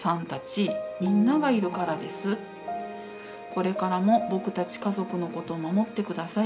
「これからも僕達家族のことを守ってください。